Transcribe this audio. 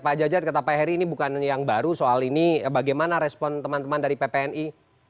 pak jajat kata pak heri ini bukan yang baru soal ini bagaimana respon teman teman dari ppni